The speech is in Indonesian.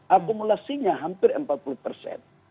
akumulasinya hampir empat puluh persen